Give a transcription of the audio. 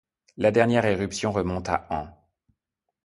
La dernière éruption remonte à ans.